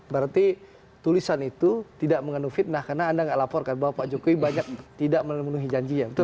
berarti tulisan itu tidak mengandung fitnah karena anda tidak laporkan bahwa pak jokowi banyak tidak meneluk melukin janji yang betul